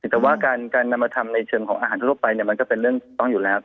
แต่ว่าการนำมาทำในเชิงของอาหารทั่วไปมันก็เป็นเรื่องต้องอยู่แล้ว